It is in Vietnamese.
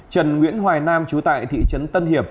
trần nguyễn hoài nam chú tại thị trấn tân hiệp